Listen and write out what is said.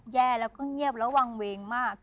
แย่แล้วก็เงียบแล้ววางเวงมาก